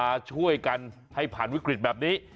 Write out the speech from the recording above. มาช่วยกันให้ผ่านวิกฤตแบบนี้